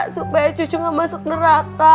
supaya cucu nggak masuk neraka